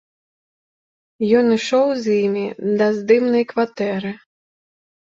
Ён ішоў з імі да здымнай кватэры.